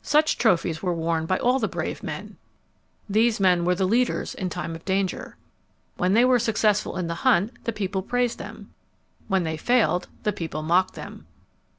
Such trophies were worn by all the brave men. These men were the leaders in time of danger. When they were successful in the hunt, the people praised them. When they failed, the people mocked them.